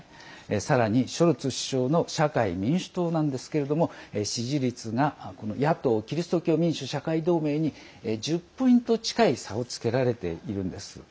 さらにショルツ首相の社会民主党なんですけれども支持率が、この野党キリスト教民主社会同盟に１０ポイント近い差をつけられているんです。